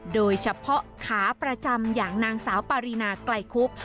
โดยเฉพาะขาประจำอย่างนางสาวปารีนาไกลคุบ